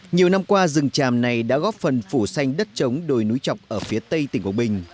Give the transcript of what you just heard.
nhiều năm qua rừng tràm này đã góp phần phủ xanh đất trống đồi núi chọc ở phía tây tỉnh quảng bình